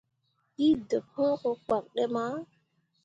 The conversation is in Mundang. Ɗii deɓ hũũ ko kpak ɗi mah.